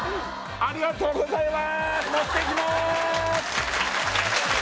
ありがとうございます